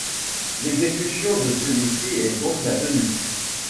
L'exécution de celui-ci est donc maintenue.